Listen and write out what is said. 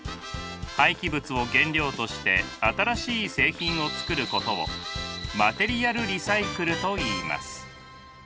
廃棄物を原料として新しい製品を作ることをマテリアルリサイクルといいます。